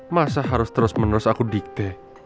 masa harus terus menerus aku diktek